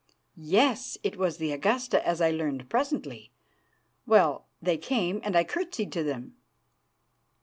"Yes, it was the Augusta, as I learned presently. Well, they came, and I curtsied to them.